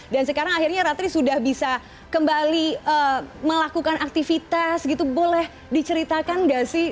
dan sekarang akhirnya ratri sudah bisa kembali melakukan aktivitas gitu boleh diceritakan nggak sih